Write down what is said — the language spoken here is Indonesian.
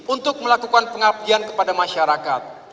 untuk melakukan pengabdian kepada masyarakat